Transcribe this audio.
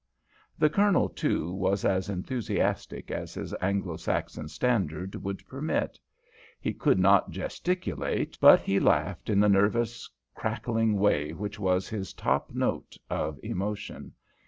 The Colonel, too, was as enthusiastic as his Anglo Saxon standard would permit. He could not gesticulate, but he laughed in the nervous, crackling way which was his top note of emotion.